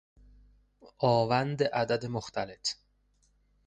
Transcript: آوند عدد مختلط